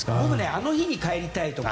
「あの日にかえりたい」とか。